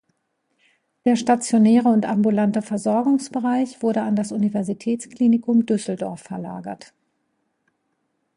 Der stationäre und ambulante Versorgungsbereich wurde an das Universitätsklinikum Düsseldorf verlagert.